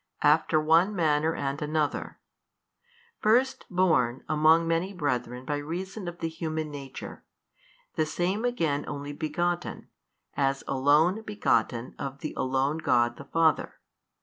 After one manner and another. First born among many brethren by reason of the human nature, the Same again Only Begotten, as Alone Begotten of the Alone God the Father.